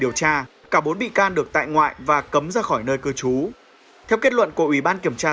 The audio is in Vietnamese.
điều tra cả bốn bị can được tại ngoại và cấm ra khỏi nơi cư trú theo kết luận của ủy ban kiểm tra